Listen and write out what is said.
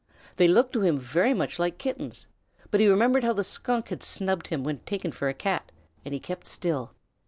They looked to him very much like Kittens, but he remembered how the Skunk had snubbed him when taken for a Cat, and he kept still.